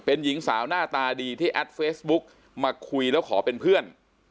เป็นหญิงสาวหน้าตาดีที่แอดเฟซบุ๊กมาคุยแล้วขอเป็นเพื่อน